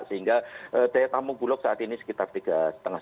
sehingga daya tamu bulog saat ini sekitar tiga lima juta ton beras